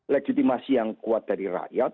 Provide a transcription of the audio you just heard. legitimasi yang kuat dari rakyat